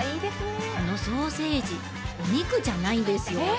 このソーセージお肉じゃないんですよ